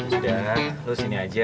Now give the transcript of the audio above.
sudah lo sini aja